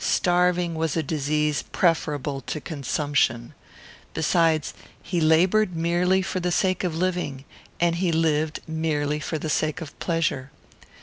Starving was a disease preferable to consumption. Besides, he laboured merely for the sake of living, and he lived merely for the sake of pleasure.